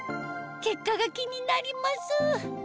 結果が気になります